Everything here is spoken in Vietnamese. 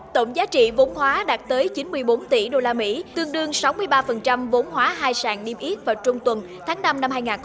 tổng giá trị vốn hóa đạt tới chín mươi bốn tỷ usd tương đương sáu mươi ba vốn hóa hai sàn niêm yết vào trung tuần tháng năm năm hai nghìn hai mươi ba